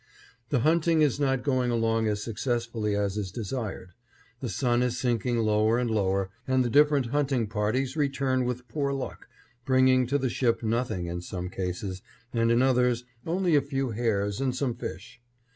The hunting is not going along as successfully as is desired. The sun is sinking lower and lower, and the different hunting parties return with poor luck, bringing to the ship nothing in some cases, and in others only a few hares and some fish.